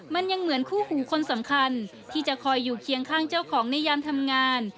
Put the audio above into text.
มันยังเหมือนคู่หูคนสำคัญที่จะคอยอยู่เคียงข้างเจ้าของในยามทำงาน